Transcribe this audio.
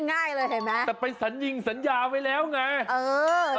ง่ายเลยเห็นไหมแต่ไปสัญญิงสัญญาไว้แล้วไงเออ